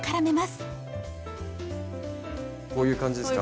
こういう感じですか？